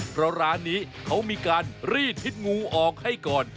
เพราะร้านนี้เขามีการรีดพิษงูออกให้ก่อน